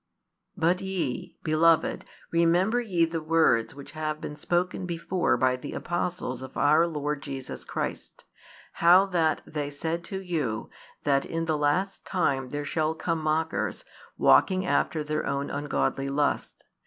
But ye, beloved, remember ye the words which have been spoken before by the apostles of our Lord Jesus Christ; how that they said to you, that in the last time there shall come mockers, walking after their own ungodly lusts.